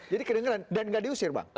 jadi kedengaran dan nggak diusir bang